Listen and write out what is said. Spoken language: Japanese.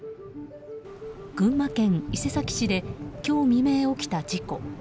群馬県伊勢崎市で今日未明起きた事故。